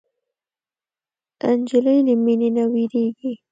نجلۍ له مینې نه وږيږي.